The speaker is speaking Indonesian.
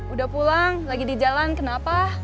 udah pulang lagi di jalan kenapa